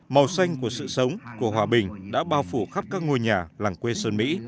màu xanh của sự sống của hòa bình đã bao phủ khắp các ngôi nhà làng quê sơn mỹ